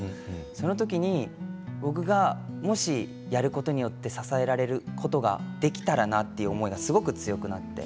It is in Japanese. その時に僕がもしやることによって支えられることができたらなという思いがすごく強くなって。